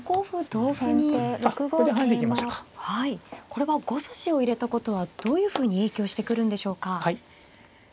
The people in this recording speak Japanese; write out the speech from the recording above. これは５筋を入れたことはどういうふうに影響してくるんでしょうか。